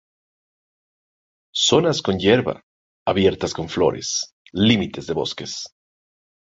Zonas con hierba, abiertas con flores, límites de bosques.